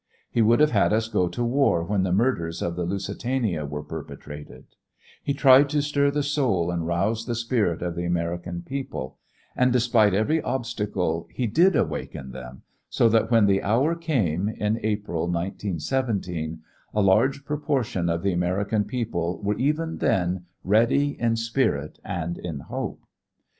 He would have had us go to war when the murders of the Lusitania were perpetrated He tried to stir the soul and rouse the spirit of the American people, and despite every obstacle he did awaken them, so that when the hour came, in April, 1917, a large proportion of the American people were even then ready in spirit and in hope.